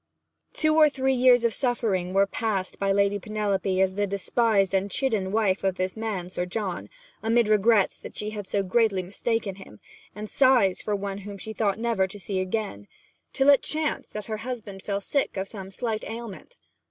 Two or three years of suffering were passed by Lady Penelope as the despised and chidden wife of this man Sir John, amid regrets that she had so greatly mistaken him, and sighs for one whom she thought never to see again, till it chanced that her husband fell sick of some slight ailment.